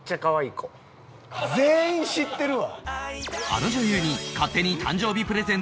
全員知ってるわ！